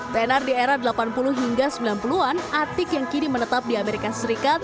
tenar di era delapan puluh hingga sembilan puluh an atik yang kini menetap di amerika serikat